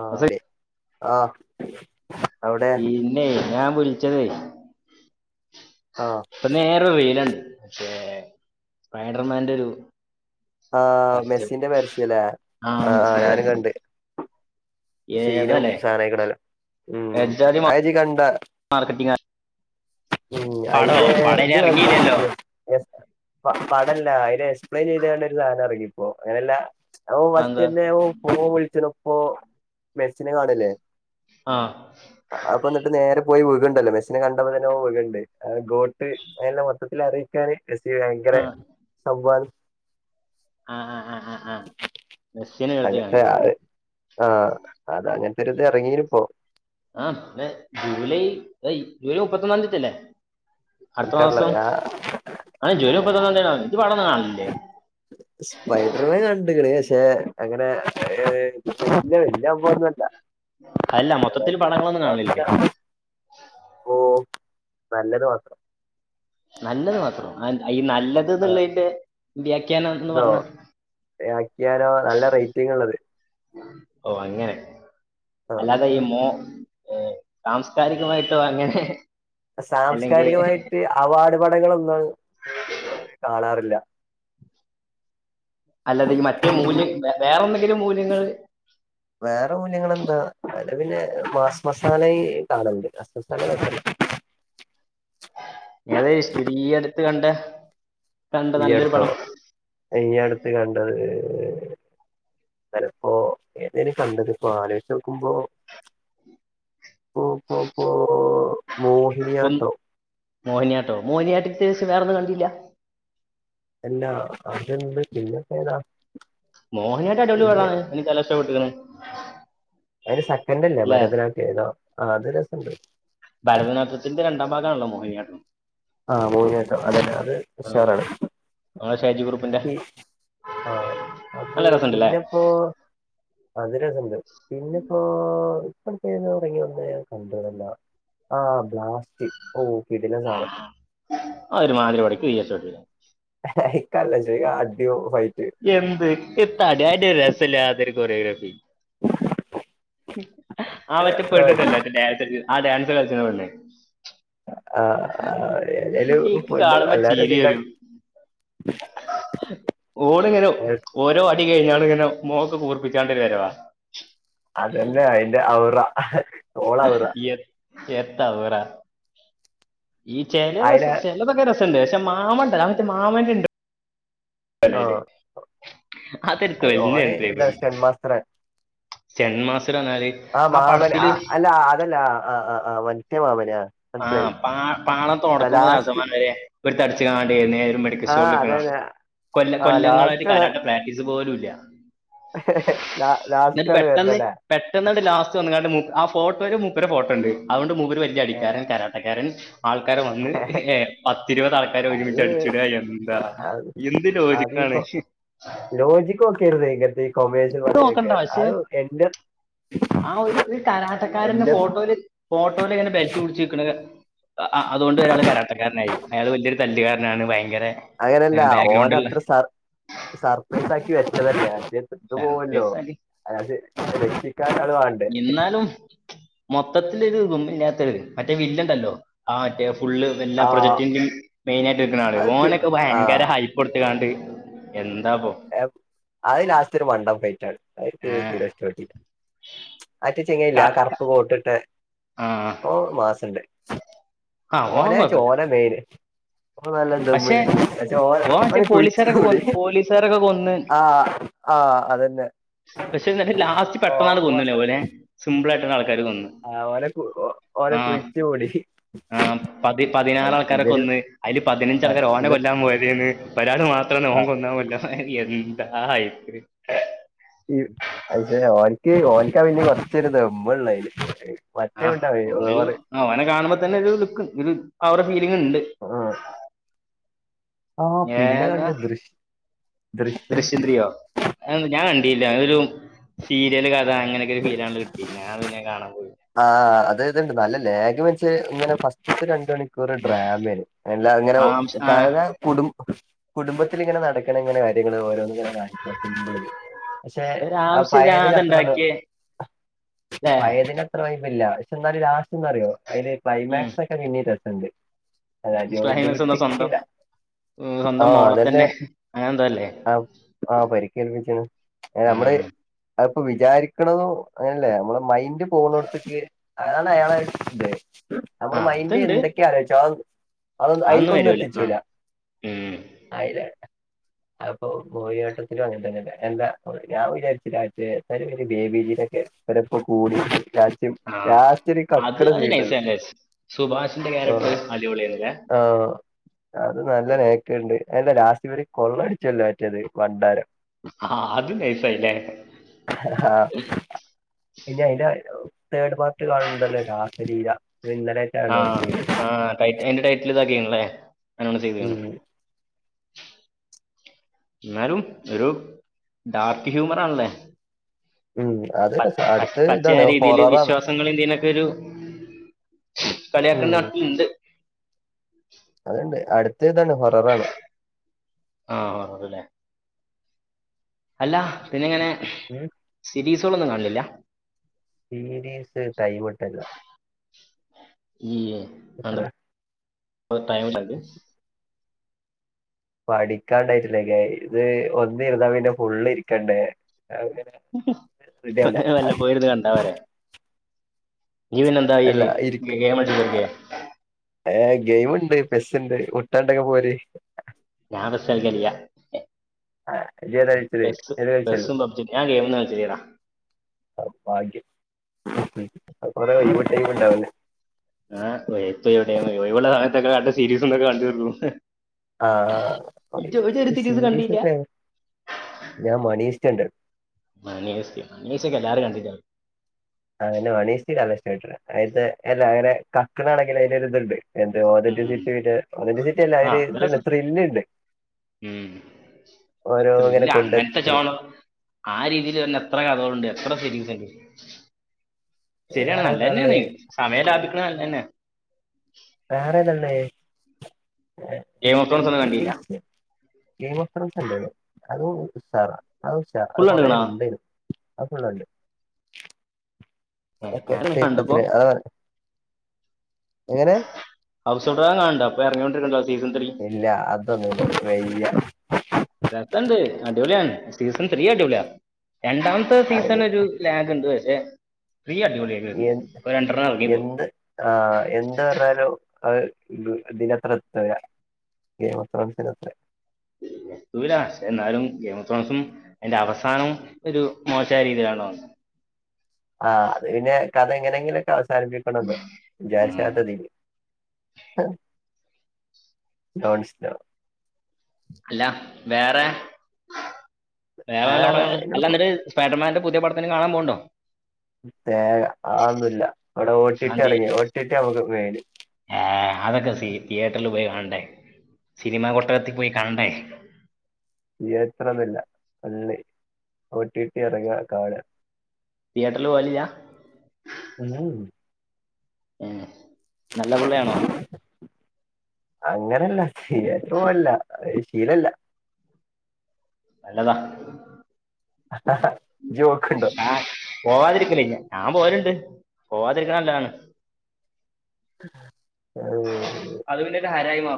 ആ അതെ ആ അവിടെ പിന്നെ ഞാൻ വിളിച്ചതേ ആഹ് ഇപ്പൊ നേരെ വെയിലുണ്ട് പക്ഷേ ഫൈഡർമാന്റെ ഒരു ആഹ് പരച്ചും മെസ്സിന്റെ പരസ്യല്ലേ ആഹ് ആഹ് ഞാനും ആഹരച്ച കണ്ട് സീനും ഏതല്ലേ സാനായിക്കണല്ലോ ഉം എജാതി മ അത്ജ് കണ്ട മാർക്കറ്റിഗ ഉം അയിന്റെ ഇത് ഇറങ്ങിയില്ലല്ലോ [unintelligible] പടല്ല അതിനെ എക്സ്പ്ലെയിൻ ചെയ്തണ്ട അത് ഇറങ്ങിപ്പോ അങ്ങനെയല്ല അ ആ, ഫസ്റ്റ് എന്താ തന്നെ പോൻ വിളിച്ച പ്പൊ മെസിനെ കാണല്ലേ ആ അപ്പൊ എന്നിട്ട് നേരെ പോയി വി ണ്ടല്ലോ മെസ്സിനെ കണ്ടപത്തിനന്നെ വണ്ട് ഗോട്ട് അല മൊത്തിൽ അറിയിക്കാൻ എസി ഭയങ്കര ആ ആ സംഭവം ആ ആ ആ ആ മെസ്സിനെ എടുത്ത് അങ്ങനത്തെ ആ കാണിക്കാം ആഹ അത അങ്ങനത്തെ ഒരു ഇത് ഇറങ്ങീണ് ഇ പോ ആ പി ജൂലൈ ജൂലൈ മുപ്പത്തൊന്നാം തീയതി അല്ലേ എനിക്കറില്ല അടുത്തമാസം ഞാൻ അജൂലൈ മുപ്പത്തിഒന്നാതി സ്പൈഡറിനെ കണ്ട് ക്കണ് പക്ഷെ അങ്ങനെ വലിയ പോന്നല്ല അല്ല മൊത്തത്തിൽ പടങ്ങളൊന്നും കാണില്ലേ [unintelligible] ഓ നല്ലത് മാത്രം നല്ലത് മാത്രം ആ ഈ നല്ലത് ആ എന്നുള്ളതിന്റെ വ്യാഖ്യാനം എന്ന് പറഞ്ഞ വ്യാക്യാനം നല്ല റേറ്റിങ് ആണ്ത് ഓ അങ്ങനെ അല്ലാതെ ഈ മോ ഏ സാംസ്കാരികമായിട്ടോ അങ്ങനെ അല്ലെങ്കിൽ സാംസ്കാരികമായിട്ട് അവാഡ് പടങ്ങളൊന്നുംതു കാണാറില്ല അല്ലാതെ ഈ മറ്റേ മൂല്യം വേറെന്ന വേറെ മൂല്യങ്ങൾ എന്താ അ പിന്നെ മാസ് മസാല കാണുന്നുണ്ട് മാസ് മസാല ഏത സ്ഥിതീ അടുത്ത് കണ്ട് ഈ അടുത്തോ ഈ അടുത്ത് കണ്ടത് അനപ്പോ ഏതേലും കണ്ടത് ഇപ്പോ ആലോയിച്ച് നോക്കുമ്പോ ഓപൊപോ.. ഹും മോഹിനിയാട്ടോ മോഹിനിയാട്ടത്തിന്ഷം വേറെന്നും കണ്ടില്യ അല്ലാ അത്ണ്ട് പിന്നെപ്പേതാ മോഹനിയാട്ടടിപൊളി പടാണ്, എനിക്കല്ലഷ്പ്പെട്ടക്ക്ണ് അയ്ൻ്റെസെക്കൻ്റല്ലേ ഭരതനാട്യേതോ ആ അത് രസണ്ട് ഭരതനാട്യത്തിന്റെ രണ്ടാം ഭാഗാണല്ലോ മോഹിനിയാട്ടം ആ മോഹിനിയാട്ടം അതല്ലെ, അത് ആ, ഉഷാറാണ് നമ്മുടെ ഷാജി ഗ്രൂപ്പിന്റെ ഉംആ അത് നല്ല രസമുണ്ടല്ലേ പിന്നെപ്പോ അതില്ത്ണ്ട് പിന്നെപ്പോ അത് ഇപ്പൊന്നോ കഴിഞ്ഞന്നേ കണ്ട്ണല്ലോ ആ ബ്ലാസ്റ്റ് ഓ കിടിലൻ സാന അഒരുമാതിരി പട, ഇക്ക് തീരെ ഇഷ്ടപെട്ടില്ല ഇക്കല്ലഷയി ആ അട്യും ഫൈ എന്ത് എത്താ അടി അയ്ൻ്റ ഒരസല്ലാത്തൊരു കൊറിയോഗ്രാഫി ആ മറ്റെ എത്ര പെണ്ണ്ണ്ടല്ലോറ്റെ ഡാൻസ് കൾച്ച് ആ ഡാൻസ് കളിച്ചണ പെണ്ണ് ആ ഹ് ഹേ ഏതായാലും ചീക്ക് പെണ്ണുങ്ങൾ കാണുമ്പോ എല്ലാരും അടി ചിരിവരും ഓളങ്ങനെ ഉണ്ടാക്കും ഓരോ അടി കഴിഞാണ്ട്ങ്ങന മുഖായൊക്കെ കൂർപ്പിച്ചാണ്ടരുവരവാ അതന്നെയ അതിന്റെ ഔറ ഹേ എ എന്തവറ ഈ ചെല അയില രസസ് ചെലതൊക്കെ രസണ്ട് ക്ഷെ മാമണ്ടല മറ്റേ മാമന്റെണ്ട് ആ അല്ലല്ലേ ആ അയ് ഓന് ഇതാ [unintelligible] സ്റ്റൺ മാസ്റ്റർ ആ മാമൻ അ അല്ല അതല്ല ആ ആ ആ് മറ്റേ മാമന് ആഹ് പാ പാളം തുടക്കുമ്പോ ലാസ്റ്റ് രസമായിരി ഒരു ആ മെഡിക്കൽസ്റ്റോറില്ക്കണ അതന്നെ കൊല്ല ആ കൊല്ലങ്ങളായിട്ട് ലാസ്റ്റാണ് കരാട്ട പ്രാക്ടീസ് പോലുംല്ല ലാസ്റ്റ് ന്നിട്ട് ആണ് പെട്ടെന്ന് വരുന്നല്ലേ പെട്ടെന്നട്ടലാസ്റ്റ് പുറത്തവന്ന്ങ്ങാണ്ട് മൂപ്പ ആ ഫോട്ടോല് മുപ്പരെ ഫോട്ടോണ്ട് അതോണ്ട് മൂപ്പര് വല്യ ആ, അടിക്കാരൻ കരാട്ടക്കാരൻ ആൾക്കാർ വന്ന് ഏ പത്തിരുപത് ആൾക്കാരെ അത് ഒരുമിച്ച് അടിച്ചിട എന്താ എന്ത് ലോജിക്ക ണ് ഹ് ലോജിക്കോക്കെ കൊമേഴ്സ് നോക്കണ്ട പറയൊക്കെ പക്ഷെ അത്ഒക്കെ എന്റെ ആ ഒരു രു കാരാട്ടക്കാരൻ എന്റെ ഫോട്ടോൽ ഫോട്ടോൽങ്ങനെ ബെൽറ്റ്‌ പിടിച്ചക്ക്ണ് അ ആ അതോണ്ട് അയാൾ കരാട്ടക്കാരനായി അയാൾ വല്ല്യൊരു തല്ല്കാരനാണ് ഭയ അങ്ങനെല്ല ഓനത്ര സർ സർപ്രൈസ് ആക്കി വെച്ചതന്നെയാ ട്ട് പോവല്ലോ ബാക്ക്ഗ്രൗണ്ടുള്ള അത് രക്ഷിക്കൻ അത് വാണ്ടേ മൊത്തത്തിലിത് ഗുമ്മില്ലാത്തത് മറ്റേ വില്ലൻണ്ടല്ലോ ആ മറ്റേ ഫുള്ള് എല്ലാ ആ പ്രൊജക്ടിന്റിം മെയിനായിയിട്ട്ക്ക്ണാള് അത് കി- ഓനൊക്കെ ആ ഭയങ്കര ഹൈപ് ട്ട്ക്കാണ്ട് എന്താപോ ഏപ് അഅ് ലാസ്റ്റ്ഒര്മണ്ടം ഫൈറ്റാണ് അത്ക്ക് ഏഹ് തീരെഷ്ടപ്പെട്ടില മറ്റേചെങ്ങായില്ലേ ആ ക- കർപ്പ് ക- കോട്ടിട്ടെ, ആ ഓൻ മാസ ആ ഓൻ ഓനേച്ച കുഴപ്പമില്ല ഓന മെയിന് ഓ നല്ല പക്ഷെ ദമ്മില്ണ്ട് പച്ചേ ഓൻ മറ്റേ ഓനെ പോലീസുകാരൊക്കെ കുഴിച്ചുമൂടി കൊന്ന് പോലീസുകാരൊക്കെ കൊന്ന് ആഹ് ആഹ് അതന്നെ പക്ഷെ, ന്നട്ട് ലാസ്റ്റ് പെട്ടെന്നാണ്ട്‌ ഓറ് കൊന്ന് ലെ മാസം ഓലെ സിമ്പിൾ ആയിട്ട് റ്റരു കൊന്നു. ആ ഓനെ ഓനെ ആഹ് കുഴിച്ചു മൂടി ആഹ് പതി പതിനാറാൾക്കാരെ ഇവര് കൊന്ന് അയില് ആ പതിനഞ്ചൾക്കര് ഓനെ ഇവര് കൊല്ലാൻ പോയതേന്ന്, ഒരാള് മാത്രാണ് ഓൻ ആ കൊന്നൌ അല്ല എന്ത്‌ ആ ഐസ്ക്രീം അത് ശെരിയാ ഓനിക്ക് ഓനക്കാ പിന്നിം കൊറച്ചരു ദമ്മ്ള്ളതല് ആ അവനരു അവനെ കാണുമ്പോ തന്നെ ലുക്ക് ആ ഒരുഫീൽ മുണ്ട് ആ ആ പിന്നെ ഏതാ കണ്ട് ദൃശ്യ ദൃശ്യം ത്രീയോ അയൊന്നും ഞാൻ കിട്ടീല ഒരു സീരിയല് കഥ അങ്ങനെയക്കൊരു ഫീലാണ് കിട്ടി ഞാൻപിന്നെ കാണ ത്ണ്ട് നല്ല ലേഗ് വെച്ച് ഇങ്ങനെ ഫസ്റ്റ്ത്തെ രണ്ട് മണിക്കൂർ ഒരു ഡ്രമേണ് അല്ലേ ആംസ് ആഹ് കുടുംബത്തില്ങ്ങനെ നടക്കണ ഇങ്ങനെ കാര്യങ്ങള് ഓരോന്ന്ങ്ങനെ സിമ്പിൾ പക്ഷെ ഒരു ആ പയേതിൽ ആംസില്ലാതെ അത്രങ്ങ് ഇണ്ടാക്കിയ ല്ലേ പയേതിന്റെത്ര പ്പല്ലാ പക്ഷെ എന്നാലും ലാസ്റ്റ്ന്തറിയോ അയില് ഉം ക്ലൈമാക്സൊക്കെ പിന്നീം രസണ്ട് അല്ലാ ജോയിന്റ് ക്ലൈമാക്സ് എന്താ സ്വന്തം കിട്ടിക്കില്ല ഉം സ്വന്തം ആഹ് മോളെ അതന്നെ തന്നെ അങ്ങനെ എന്തോ അല്ലേ ആ ആഹ പരിക്കേൽപ്പിച്ചണ് ഏ നമ്മള് ഉം അത്പ്പോ വിചാരിക്ക്ണത് അങ്ങനല്ലേ നമ്മള മൈന്ഡ് പോകുന്ന അയാളെ അയാള നമ്മള് ആഹ് മൈന്ഡ് അതുണ്ട് എന്തെക്കെ ആലോയിച്ചോ അത് അതൊന്നും ഐക്കൊന്നും വരൂല എത്തിച്ചൂല ആഹ് ഉം അയില അത്പ്പൊ മോയിനിയാട്ടത്തിലും അങ്ങനെ തന്നെല്ല എന്താ ഞാൻ വിചാരിച്ച മറ്റേ അവരൊക്കെ കൂടി ത്യം. ആഹ് ലാസ്റ്റൊരു അത് കക്ക്ണ അത് സീൻണ്ടല്ലോ നൈസാ നൈസ് സുഭാഷിന്റെ ആഹ് ക്യാരക്ടർ അടിപൊളിയായിരുന്നില്ലേ ആഹ് ആ അത് നല്ല നേക്ക്ണ്ട്. അയ്ന്റെ ലാസ്റ്റിവര് കൊള്ളയടിച്ച്വല്ലോ മറ്റെത് ഭണ്ടാരം ആഹാഹ് അത് നൈസായി ലേ ആഹ് പിന്നെ അയ്ന്റെ തേഡ് പാർട്ട് കാൺണ്ടല്ലോ രാസലീല അത് ഇന്നലെറ്റാണ് ആഹ് ആ ടൈറ്റി അയ്ന്റെ ടൈറ്റിൽ ഇതാക്കിണുല്ലേ അങ്ങനെ ചൈത്ണ് ഉം ന്നാലും ഒരു ഡാർക്ക് ഹ്യൂമർ ആണ്ല്ലേ ഉം അത് പച് രസാ പച് അടുത്ത പച്ചയായ ഇതാണ് രീതിയില് ഹൊററാണ് വിശ്വാസങ്ങളില്ലീനൊക്കൊരു കളിയാക്കൽ നടത്ത്ന്ന്ണ്ട് അത്ണ്ട് അടുത്ത ഇതാണ് ഹൊററാണ് ആഹ് ആ അത്‌ലേ.. അല്ല പിന്നെ ഇങ്ങനെ, ഉം സിരീസുകളൊന്നും കാണലില്ല സീരീസ് ടൈമ്ട്ടല്ല ഇല്യേ, അതെന്താ ഒ ടൈമ്ട്ടാത്തെ പഠിക്കാണ്ടായിട്ടല്ലങ്ങയ്, ഇത് ഒന്ന് ഇരുന്നാ പിന്നെ ഫുള്ള് ഇര്ക്കണ്ടേ വല്ല പോയിരുന്ന് കണ്ടാ പോരെ [unintelligible] നീ പിന്നെന്താ അല്ല ചെയ്യല് ഇര്ക് ഗെയിം കളിച്ച് അ തീർക്കേ ഏഹ് ഗെയിം ണ്ട് പെസ്സ്ണ്ട് മുട്ടാണ്ടെങ്കി പോര് [unintelligible] ഞാൻ ബസ്സൾക്കൽല്യ അജി ഏതാ കളിച്ചത് ബ ഏത് കളിച്ചല്ലേ ബസും പബ്ജിയും, ഞാൻ ഗെയ്മൊന്നും കൾച്ചല്യടാ ആഹ് ഭാഗ്യം [unintelligible] ഏഹ് ഒഴി ഒഴിവുള്ള സമയത്തൊക്കെ രണ്ട് സീരീസ്ണ്ട് അഅ് കണ്ട്ർക്കും ആഹ് ആഹ് ഈ സീരീസ് സീരിസ് കണ്ടില്ല ഒക്കെ ഞാൻ മണീസ്റ്റണ്ട് മണി മിസ്ക്യോ മണിമിസ്‌ക്യൊക്കെ എല്ലാരും കണ്ടിണ്ടാവും അതന്നെ മണീസ്റ്റിക്ക് നല്ല ഇഷ്ടപ്പെട്ട്ണ്. അയിൽത്തെ എല്ല അങ്ങനെ കക്ക്ണാണെങ്കിലും അയ്ലൊരുത്ണ്ട് എന്ത് ഉം. [unintelligible] ത്രില്ല്ണ്ട് [unintelligible] ഉം.. ഇങ്ങനെ ത്രില്ല് കൊണ്ടെത്തിച്ചണ് [unintelligible] ആ രീതിയില് എത്ര കഥകളുണ്ട് ശരിയാണ് വേറെ ഏതാ ഉള്ളെ നല്ലതന്നെയാണ് സമയം ലാഭിക്ക ഒക്കെ നല്ലയന്നെ വേറേതാ ഇളെള ഗെയിം ഓഫ് ത്രോൺസ് ഒന്നും കണ്ടില്ല ഗെയിം ഓഫറൻസ്ണ്ട്. അത് ഉസാറാ അത് ഉഷാറ അത് ഫുൾ കൊറെ കണ്ടുക്കണോ ഇണ്ടെനും അത് ഫുള്ള്ണ്ട് ഏ ഞാനെ കണ്ടപ്പോ എങ്ങനെ ഹൗസ് [unintelligible] ഇല്ല അത് നിനക്ക് വയ്യ രസണ്ട് അടിപൊളിയാണ് സീസൺ ത്രീ അടിപൊളിയ രണ്ടാമത്തെ അത് സീസൺ ഒരു ലാഗ്ണ്ട് പക്ഷേ എ എന്ത് ആ എന്ത് പറഞ്ഞാലും അത് ദിന്റത്രത്ര കിട്ടൂല ഈ റഫറൻസിന്റ അത്രേ എത്തൂല പക്ഷേ എന്നാലും ഗെയിംസ് ഫോംസും അതിന്റെ അവസാനവും ഒരു മോശമായ രീതിയിലാണ് വന്നത് ആ പിന്നെ കഥ എങ്ങനെങ്കിലൊക്കെ ഉം. [unintelligible] ലോൺസ്ന അല്ല വേറെ വേറെ നല്ല പടങ്ങള് എന്നോട് കൊ- അല്ലന്നിട്ട് സ്പൈഡർമാന്റെ പുതിയ പടത്തിന് കാണാൻ പോണ്ടോ തേങ്ങ അതൊന്നുല്ല ഇവിടെ ഓ ടി ടി ഗാന്ധി ഇറങ്ങി ഓ ടി ടി നമ്മക്ക് മെയിൻ ഏ അതൊക്കെ സി തിയേറ്ററിൽ പോയി കാണണ്ടേ സിനിമാ കൊട്ടകത്തി പോയി കാണണ്ടേ തിയേറ്ററ് ഒന്നുല ഓ ടി ടി ഇറങ്ങിയ കാണാ തിയറ്ററിൽ പോകലില്ല ഉം ഏ നല്ല പുള്ളയാണോ അങ്ങനല്ല ശ പോല്ല ശീലല്ല നല്ലതാ ഇജ്ജ് പോക്കുണ്ടോ ആ പോവാതിരിക്കില്ല പോരുണ്ട് പോവാതിരിക്കണംല്ലതാണ് അത [unintelligible] അതായി മാ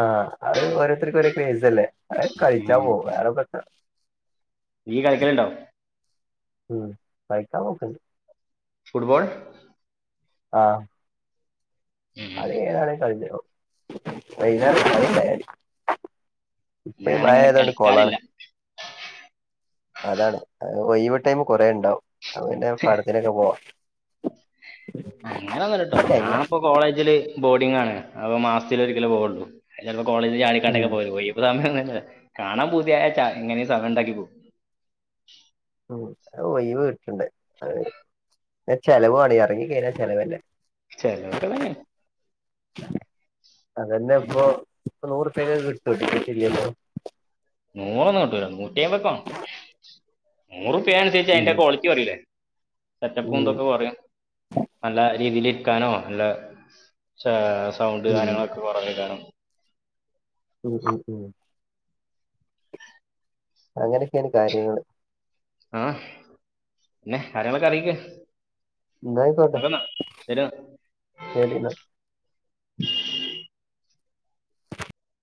ആ അത് ഓരോരുത്തർക്കും ഒ ക്രേസ് അല്ലേ അ കഴിച്ചാ പോക വേറെ പറ്റ നീഈ കളിക്കല ഇണ്ടാവ ഉം വൈക്ക പോക്കണ്ട് ഫുട്ബൾ ആ അത് ഏതാണ കളിഞ്ഞോ വൈയ്ന്നേരം ക [unintelligible] ഇപ്പ ഞാനങ്ങനെ മഴായത കൊണ്ട് കൊളാണ് കളിക്കാറില്ല അതാണ് ടൈ കൊറ ഉണ്ടാവും അന്റെ പടത്തിനൊക്കെ പോവാ അങ്ങനെൊന്നും കേട്ടോ ഞാനിപ്പോ കോളേജില് ബോഡി ആണ് അപ്പ മാസത്തിലൽ ഒരു കിലോ പോവൊള്ളൂ ചപ്പോ കോളേജിൽ ഉം ചാടിക്കണ്ടൊക്കെ പോയി ഇപ്പ സമയം കാണാൻ പൂതിയയാ ച എങ്ങനെ സമയ ഉണ്ടാക്കി പോ ഉ ഒഴവ് കട്ടുണ്ട് അ ചെലവ്വാണ ഇറങ്ങി കഴിഞ്ഞാൽ ചിലലവല്ലേ ചലോക്കതന്ന അതന്നെ ഇപ്പൊ ഇപ്പ നൂറ് പേര് കിട്ടത്തുട്ടി ശരിപ്പ നൂറന്ന്ട്ട് നൂറ്റിമ്പക്ക ആണ് നൂറ് പേ അനുസരിച്ചച്ച് ഉം അതിന്റെ ക്വാളിറ്റി കുറില്ലേ ഉം സെറ്റപ്പുംന്തൊക്കെ പറയും നല്ല രീതിൽ ഇരിക്കാനോ നല്ല സൗണ്ട് ഉം കാര്യങ്ങളൊക്കെ കുറവേ കാരണം ഉം ഉം ഉം അങ്ങനെയൊക്കെയാണ് കാര്യങ്ങള് ആ പിന്നെ കാര്യങ്ങളൊക്കെ അറിയിക്ക നായിക്കോട്ടെ എന്നാ. ശെരിന്ന [inaudible]